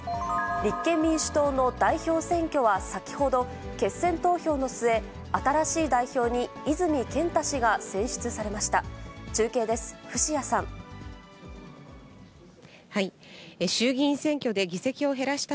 立憲民主党の代表選挙は先ほど決選投票の末、新しい代表に泉健太氏が選出されました。